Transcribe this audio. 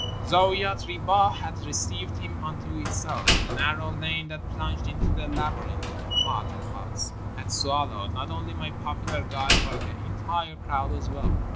Zaouiat Ribah had received him unto itself. The narrow lane that plunged into the laby rinth of mud huts had swallowed, not only my popular guide but the entire crowd as well.